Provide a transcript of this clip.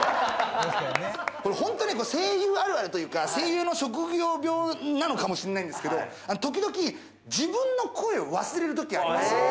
これ本当に声優あるあるというか、声優の職業病なのかもしれないですけれど、時々自分の声を忘れるときあります。